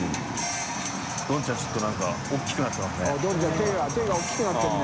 どんちゃんちょっと何か大きくなってますね。）